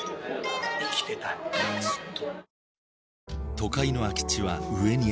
生きてたいずっと。